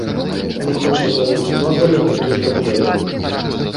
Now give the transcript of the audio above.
Мы хочам звярнуць увагу на гэтую праблему.